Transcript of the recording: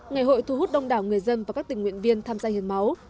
ngày hội thu hút đông đảo người dân và các tình nguyện viên tham gia hiến máu